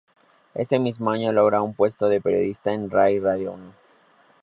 Ese mismo año logra un puesto de periodista en Rai Radio Uno.